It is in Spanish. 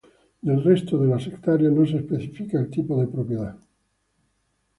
Del resto de las hectáreas no se especifica el tipo de propiedad.